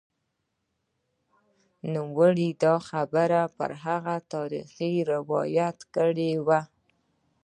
نوموړي دا خبره پر هغه تاریخي روایت کړې وه